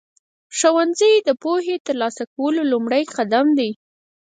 ښوونځی د پوهې ترلاسه کولو لومړنی قدم دی.